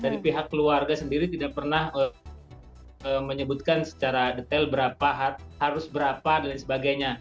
dari pihak keluarga sendiri tidak pernah menyebutkan secara detail harus berapa dan lain sebagainya